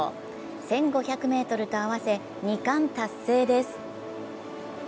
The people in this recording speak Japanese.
１５００ｍと合わせ２冠達成です。